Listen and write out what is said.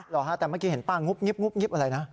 หรอฮะแต่เมื่อกี้เห็นป้างุบงิบงิบอะไรนะ